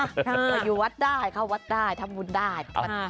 อยู่วัดได้เข้าวัดได้ทำบุญได้